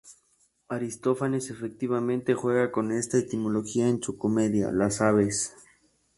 Aristófanes efectivamente juega con esta etimología en su comedia "Las aves".